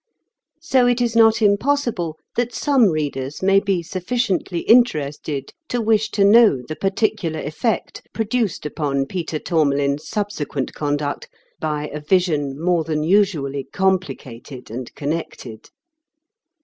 So it is not impossible that some readers may be sufficiently interested to wish to know the particular effect produced upon Peter Tour malin's subsequent conduct by a vision more than usually complicated and connected.